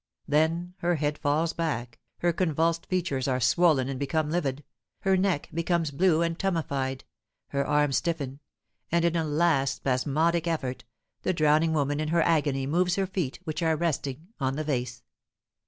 Then her head falls back, her convulsed features are swollen and become livid, her neck becomes blue and tumefied, her arms stiffen, and, in a last spasmodic effort, the drowning woman in her agony moves her feet, which are resting on the vase.